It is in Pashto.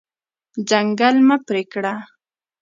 ځنګل مه پرې کړه.